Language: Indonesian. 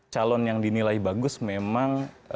calon yang dinilai bagus memang